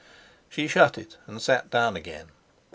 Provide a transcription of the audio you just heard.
She shut it and sat down again.